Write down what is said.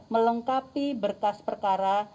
melengkapi berkas perkara